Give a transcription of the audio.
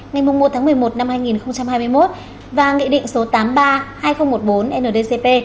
ngay mùng một tháng một mươi một năm hai nghìn hai mươi một và nghị định số tám trăm ba mươi hai nghìn một mươi bốn ndcp